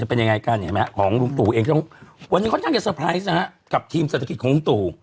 จะเป็นยังไงกันเห็นไหมฮะของลุงตู่เองวันนี้ค่อนข้างจะกับทีมเศรษฐกิจของลุงตู่